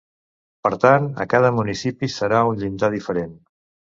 Per tant, a cada municipi serà un llindar diferent.